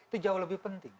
itu jauh lebih penting